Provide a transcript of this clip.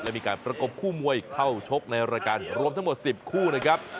และมีการประกบคู่มวยเข้าชกในรายการรวมทั้งหมด๑๐คู่นะครับ